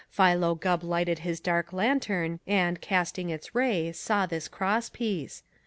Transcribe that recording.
Philo Gubb lighted his dark lantern, and casting its ray, saw this cross piece.